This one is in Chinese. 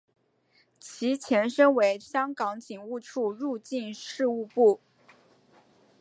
其前身为香港警务处入境事务部。